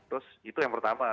terus itu yang pertama